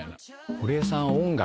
堀江さん音楽